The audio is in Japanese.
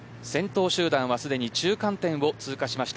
先頭集団は、すでに中間点を通過しました。